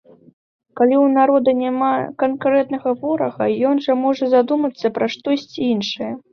Калі ў народа няма канкрэтнага ворага, ён жа можа задумацца пра штосьці іншае!